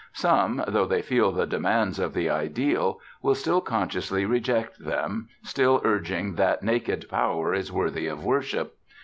Some, though they feel the demands of the ideal, will still consciously reject them, still urging that naked Power is worthy of worship.